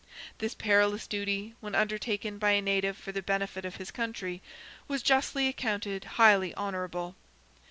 This perilous duty, when undertaken by a native for the benefit of his country, was justly accounted highly honourable.